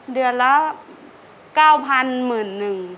เดือนละ๙๐๐๐หมื่นหนึ่ง